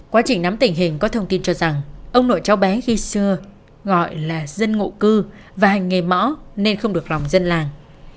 quá trình nắm tình hình có thông tin cho rằng ông nội cháu bé khi xưa gọi là dân ngộ cư và hành nghề mõ nên không được lòng dân làng